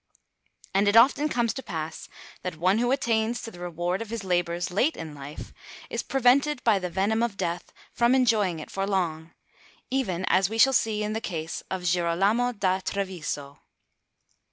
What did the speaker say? And it often comes to pass that one who attains to the reward of his labours late in life, is prevented by the venom of death from enjoying it for long, even as we shall see in the case of Girolamo da Treviso.